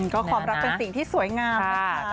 ก็ความรักเป็นสิ่งที่สวยงามนะคะ